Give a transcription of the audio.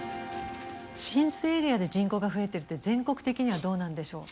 浸水エリアで人口が増えてるって全国的にはどうなんでしょう。